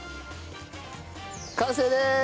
完成でーす！